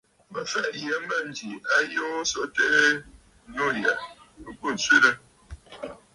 Mə fɛ̀ʼɛ nyə mânjì a yoo so tɛɛ, nû yâ ɨ bû ǹswerə!